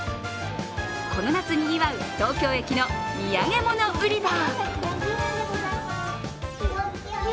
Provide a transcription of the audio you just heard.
この夏賑わう東京駅の土産物売り場。